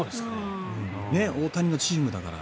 大谷のチームだから。